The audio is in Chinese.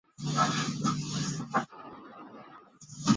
沼鼠耳蝠为蝙蝠科鼠耳蝠属的动物。